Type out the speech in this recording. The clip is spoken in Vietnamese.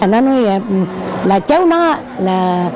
nó nói là cháu nó là